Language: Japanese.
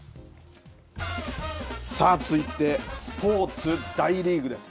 さあ、続いてスポーツ、大リーグです。